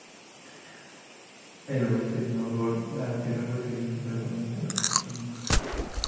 Al este de Nóvgorod, la tierra fue cayendo gradualmente bajo el control de Moscú.